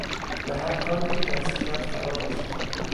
به هر کاری که دست زد خرابش کرد.